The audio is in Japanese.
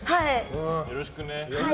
よろしくね。